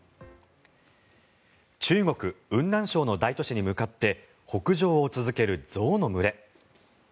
中国・雲南省の大都市に向かって北上を続ける象の群れ。